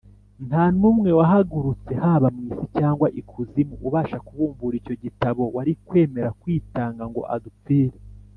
Ntanumwe wahagurutse haba mu isi cyangwa ikuzimu ubasha kubumbura icyo gitabo wari kwemera kwitanga ngo adupfire.